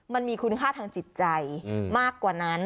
มันมีคุณค่าทางจิตใจมากกว่านั้น